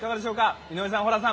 井上さん、ホランさん